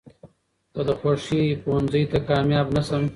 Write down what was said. ،که د خوښې پوهنځۍ ته کاميابه نشم.